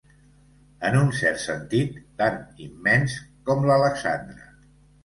En un cert sentit, tan immens com l'Alexandre.